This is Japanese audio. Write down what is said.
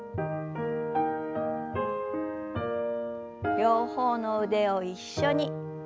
両方の腕を一緒に。